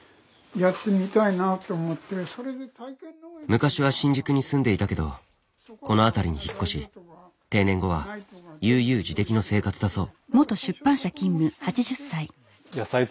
昔は新宿に住んでいたけどこの辺りに引っ越し定年後は悠々自適の生活だそう。